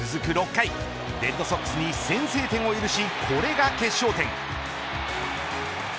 ６回レッドソックスに先制点を許しこれが決勝点。